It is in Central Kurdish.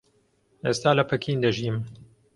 ئێستا لە پەکین دەژیم.